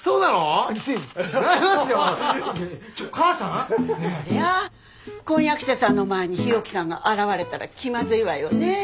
そりゃ婚約者さんの前に日置さんが現れたら気まずいわよね。